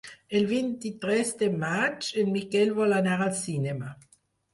El vint-i-tres de maig en Miquel vol anar al cinema.